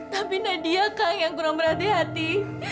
tapi nadia kakak yang kurang berhati hati